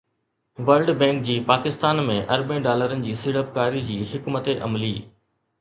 world Bank جي پاڪستان ۾ اربين ڊالرن جي سيڙپڪاري جي حڪمت عملي